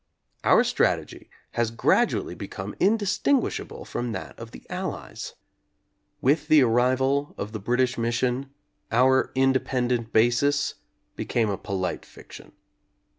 Our strategy has gradually become indistinguishable from that of the Allies. With the arrival of the British Mission our "independent basis" became a polite fiction.